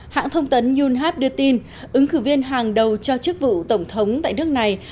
hãng thông tấn yunghab đưa tin ứng cử viên hàng đầu cho chức vụ tổng thống tại nước này